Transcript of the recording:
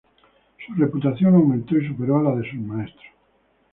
Su reputación aumentó y superó a la de sus maestros.